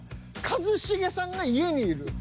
一茂さんが家にいるの。